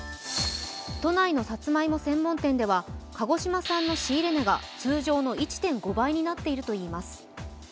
都内のさつまいも専門店では鹿児島産のさつまいもが通常の１．５倍になっているといいます。